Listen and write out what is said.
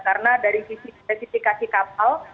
karena dari sisi spesifikasi kapal